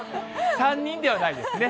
３人ではないですね。